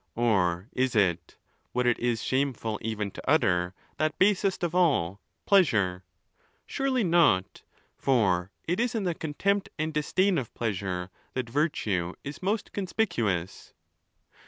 Or is it (what it is shame ful even to utter) that basest of all, pleasure? Surely not ; for it is in the contempt and disdain of pleasure that virtue is most conspicuous.